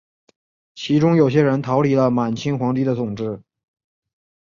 其中有些人逃离了满清皇帝的统治。